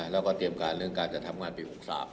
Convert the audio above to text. แล้วก็เตรียมการเรื่องการจะทำงานปี๖๓